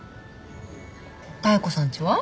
妙子さんちは？